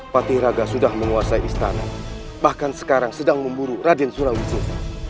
pak tihraga sudah menguasai istana bahkan sekarang sedang memburu raden surawisensa